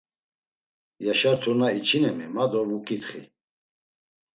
Yaşar Turna içinemi ma do vuǩitxi.